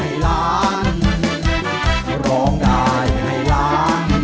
เอ้ามากันแล้ว